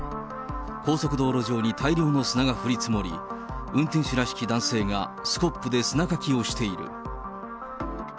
高速道路上に大量の砂が降り積もり、運転手らしき男性が、スコップで砂かきをしている。